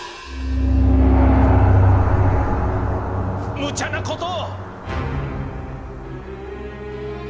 むちゃなことを！